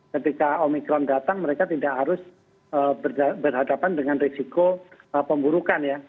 ketika omikron datang mereka tidak harus berhadapan dengan risiko pemburukan ya